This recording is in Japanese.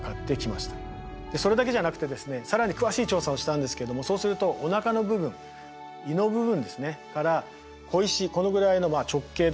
それだけじゃなくてですね更に詳しい調査をしたんですけどもそうするとおなかの部分胃の部分から小石このぐらいの直径どうですかね